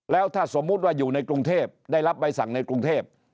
แล้วถ้าสมมุติว่าอยู่ในกรุงเทพได้รับใบสั่งในกรุงเทพ